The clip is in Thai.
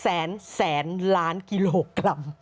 แสนแสนล้านกิโลกรัม